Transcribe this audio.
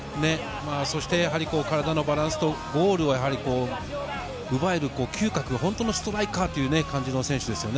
そして体のバランスとゴールを奪える嗅覚、本当のストライカーという感じの選手ですよね。